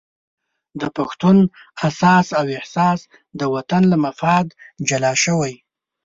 د پښتون اساس او احساس د وطن له مفاد جلا شوی.